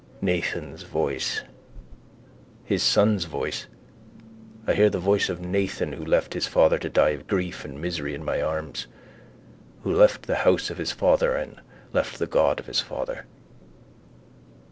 Nathan's voice! His son's voice! I hear the voice of Nathan who left his father to die of grief and misery in my arms, who left the house of his father and left the God of his father.